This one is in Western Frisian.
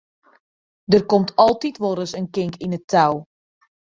Der komt altyd wolris in kink yn 't tou.